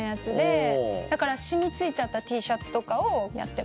だから染みついちゃったＴシャツとかをやってます。